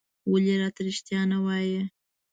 ولې راته رېښتيا نه وايې؟